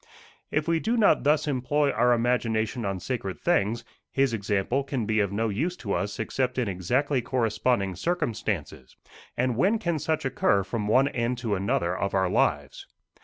If we do not thus employ our imagination on sacred things, his example can be of no use to us except in exactly corresponding circumstances and when can such occur from one end to another of our lives?